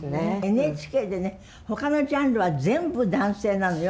ＮＨＫでねほかのジャンルは全部男性なのよ。